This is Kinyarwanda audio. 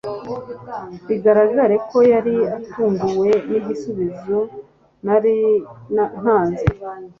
bigaragare ko yari atunguwe nigisubizo nari ntanze